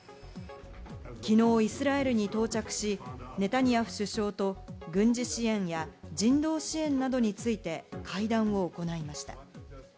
きのうイスラエルに到着し、ネタニヤフ首相と軍事支援や人道支援などについて会談を行いました。